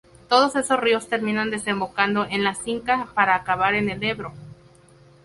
Todos esos ríos terminan desembocando en el Cinca para acabar en el Ebro.